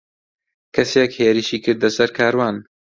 کەسێک هێرشی کردە سەر کاروان.